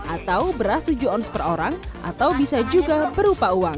atau beras tujuh ons per orang atau bisa juga berupa uang